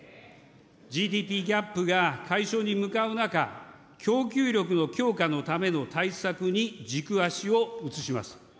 ＧＤＰギャップが解消に向かう中、供給力の強化のための対策に軸足を移します。